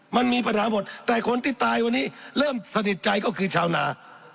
มันมีปัญหาหมดแต่คนที่ตายวันนี้เริ่มสนิทใจก็คือชาวนา